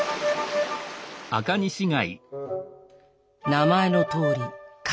名前のとおり貝。